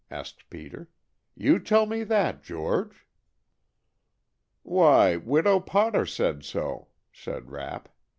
asked Peter. "You tell me that, George!" "Why, Widow Potter said so," said Rapp.